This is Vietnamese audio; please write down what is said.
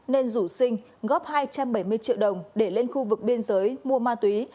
nên rủ sinh góp hai trăm bảy mươi triệu đồng để lên khu vực biên giới mua ma túy